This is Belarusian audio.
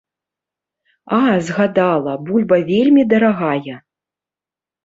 А, згадала, бульба вельмі дарагая.